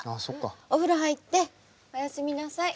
お風呂入っておやすみなさい。